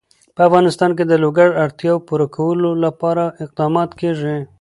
په افغانستان کې د لوگر د اړتیاوو پوره کولو لپاره اقدامات کېږي.